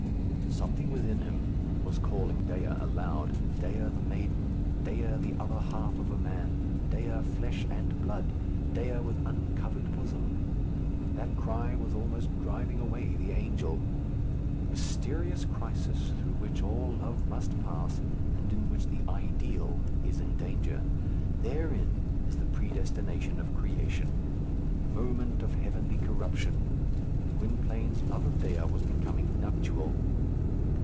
Something within him was calling Dea aloud, Dea the maiden, Dea the other half of a man, Dea flesh and blood, Dea with uncovered bosom. That cry was almost driving away the angel. Mysterious crisis through which all love must pass and in which the Ideal is in danger! Therein is the predestination of Creation. Moment of heavenly corruption! Gwynplaine's love of Dea was becoming nuptial.